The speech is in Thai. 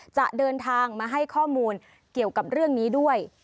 จะเดินทางมาให้ข้อมูลเกี่ยวกับเรื่องนี้ด้วย